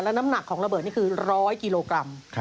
น้ำหนักของระเบิดนี่คือ๑๐๐กิโลกรัม